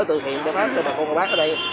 thực hiện cho bác cho các con bác ở đây